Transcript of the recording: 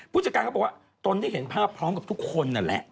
ผู้จัดการเขาบอกว่าตนได้เห็นภาพพร้อมกับทุกคนนั่นแหละ